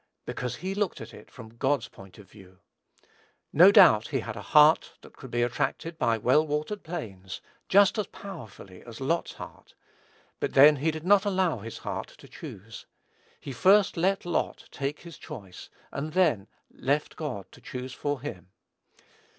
Because he looked at it from God's point of view. No doubt, he had a heart that could be attracted by "well watered plains," just as powerfully as Lot's heart; but then he did not allow his own heart to choose. He first let Lot take his choice, and then left God to choose for him.